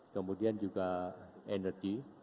kemudian juga energi